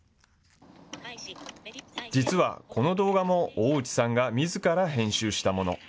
実は、この動画も大内さんがみずから編集したもの。